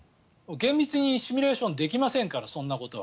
厳密にシミュレーションはできませんから、そんなことは。